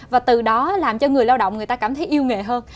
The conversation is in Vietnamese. và từ đó làm cho người lao động người ta cảm thấy yêu nghề hơn